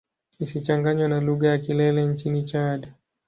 Isichanganywe na lugha ya Kilele nchini Chad.